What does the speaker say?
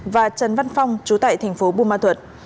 và trần văn phong trú tại thành phố bu ma thuật